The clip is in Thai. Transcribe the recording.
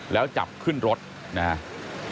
แล้วจับขึ้นรถนะครับ